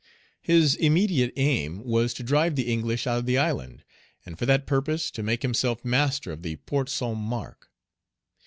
His immediate aim was to drive the English out of the island, and for that purpose, to make himself master of the port of Saint Marc.